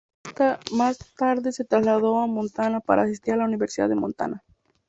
Más tarde se trasladó a Montana para asistir a la Universidad de Montana.